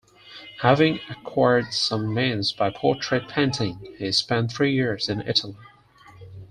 Having acquired some means by portrait-painting, he spent three years in Italy.